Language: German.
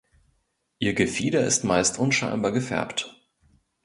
Ihr Gefieder ist meist unscheinbar gefärbt.